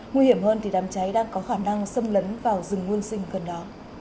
nguy hiểm hơn thì đám cháy đang có khả năng xâm lấn vào rừng nguyên sinh gần đó